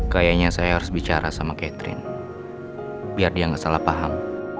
kayaknya saya harus bicara sama catherine biar dia nggak salah paham